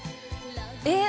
えっ？